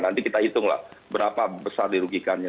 nanti kita hitung lah berapa besar dirugikannya